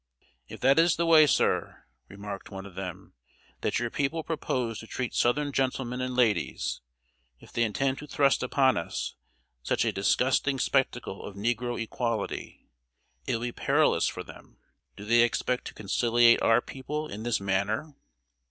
"If that is the way, sir," remarked one of them, "that your people propose to treat southern gentlemen and ladies if they intend to thrust upon us such a disgusting spectacle of negro equality, it will be perilous for them. Do they expect to conciliate our people in this manner?"